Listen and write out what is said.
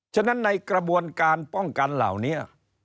ฉะนั้นในกระบวนการป้องกันเหล่านี้